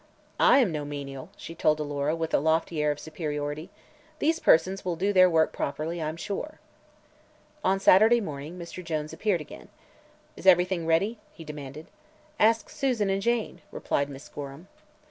"I am no menial," she told Alora, with a lofty air of superiority; "these persons will do their work properly, I'm sure." On Saturday morning Mr. Jones appeared again. "Is everything ready?" he demanded. "Ask Susan and Jane," replied Miss Gorham.